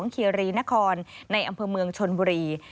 เคียรีนครในอำเภอเมืองชนบุรี